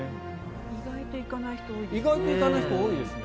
意外と行かない人多いですね。